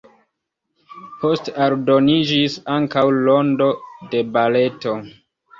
Poste aldoniĝis ankaŭ rondo de baleto.